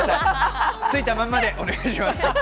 ついたまんまでお願いします。